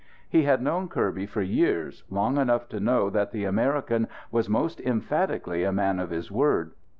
He had known Kirby for years, long enough to know that the American was most emphatically a man of his word.